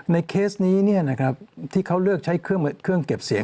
เคสนี้ที่เขาเลือกใช้เครื่องเก็บเสียง